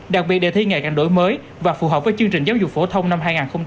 đặc biệt đề thi ngày càng đổi mới và phù hợp với chương trình giáo dục phổ thông năm hai nghìn hai mươi